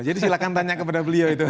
jadi silahkan tanya kepada beliau itu